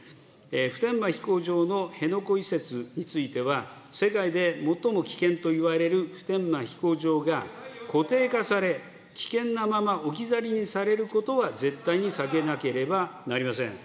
普天間飛行場の辺野古移設については、世界で最も危険といわれる普天間飛行場が固定化され、危険なまま置き去りにされることは絶対に避けなければなりません。